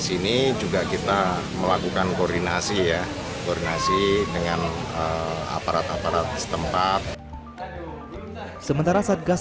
sini juga kita melakukan koordinasi ya koordinasi dengan aparat aparat setempat sementara satgas